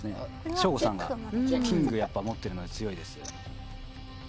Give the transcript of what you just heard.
省吾さんがキングを持っているので強いです。